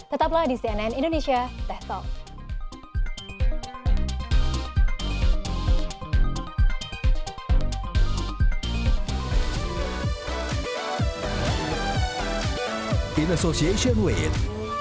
tetaplah di cnn indonesia teh talk